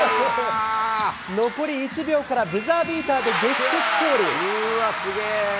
残り１秒からブザービーターで劇的勝利。